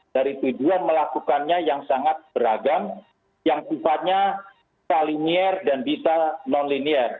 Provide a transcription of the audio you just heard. dari tujuan melakukannya yang sangat beragam yang sifatnya kalinier dan bisa non linier